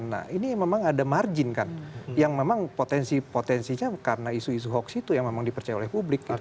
nah ini memang ada margin kan yang memang potensi potensinya karena isu isu hoax itu yang memang dipercaya oleh publik gitu